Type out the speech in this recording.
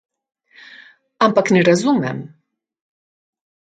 Ampak ne razumem.